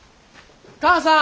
母さん！